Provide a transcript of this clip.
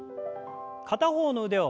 片方の腕を前に。